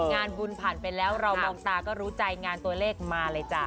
งานบุญผ่านไปแล้วเรามองตาก็รู้ใจงานตัวเลขมาเลยจ้ะ